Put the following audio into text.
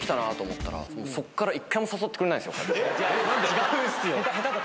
違うんすよ。